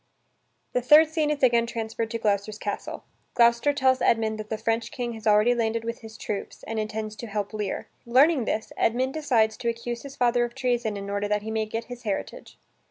The third scene is again transferred to Gloucester's castle. Gloucester tells Edmund that the French King has already landed with his troops, and intends to help Lear. Learning this, Edmund decides to accuse his father of treason in order that he may get his heritage.